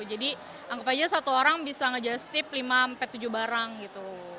jadi anggap aja satu orang bisa ngejastip lima tujuh barang gitu